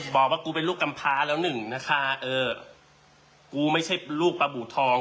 บอกว่ากูเป็นลูกกำพาแล้วหนึ่งนะคะเออกูไม่ใช่ลูกปลาบูทอง